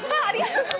ありがとう。